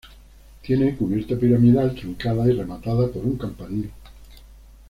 Tiene cubierta piramidal truncada y rematada por un campanil.